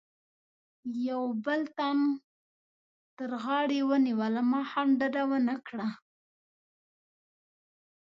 یوه بل تن تر غاړې ونیولم، ما هم ډډه و نه کړه.